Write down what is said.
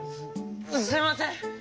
すすいません！